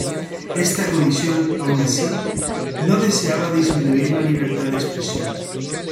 Esta comisión, aun así, no desea disminuir la libertad de expresión.